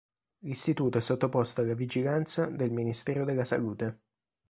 L'Istituto è sottoposto alla vigilanza del Ministero della Salute.